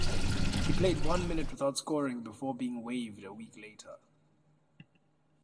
He played one minute without scoring before being waived a week later.